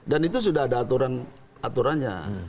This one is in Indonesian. dan itu sudah ada aturan aturannya